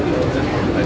kita bisa mencapai